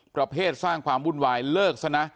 ประเภทสร้างความวุ่นวายเลิกซะนะ